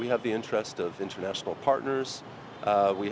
để phát triển thành công của hà nội